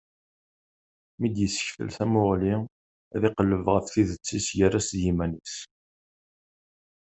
Mi d-yessekfel tamuɣli, ad iqelleb ɣef tidet-is gar-as d yiman-is.